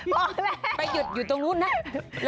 พอแรกไปหยุดอยู่ตรงนู้นนะ